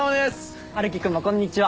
春樹君もこんにちは。